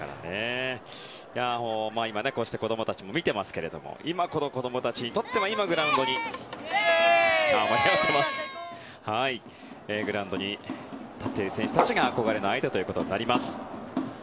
こうして子供たちも見ていますけども今、この子供たちにとってはグラウンドに立っている選手たちが憧れの相手ということになります。